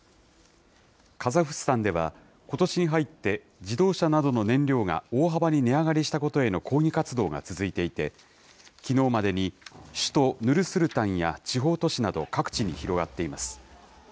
カザフスタンでは、ことしに入って、自動車などの燃料が大幅に値上がりしたことへの抗議活動が続いていて、きのうまでに首都ヌルスルタンや地方都市など各地に広がっています。